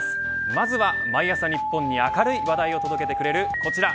まずは毎朝、日本に明るい話題を届けてくれる、こちら。